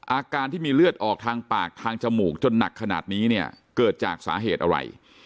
อาการที่มีเลือดออกทางปากทางจมูกจนหนักขนาดนี้เนี่ยเกิดจากสาเหตุอะไร